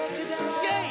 イェイ！